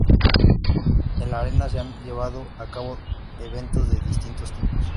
En la Arena se han llevado a cabo eventos de distintos tipos.